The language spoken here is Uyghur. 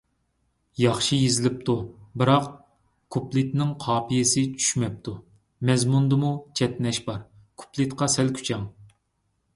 ياخشى يېزىلىپتۇ، بىراق كۇپلېتىنىڭ قاپىيەسى چۈشمەپتۇ. مەزمۇندىمۇ چەتنەش بار، كۇپلېتقا سەل كۈچەڭ.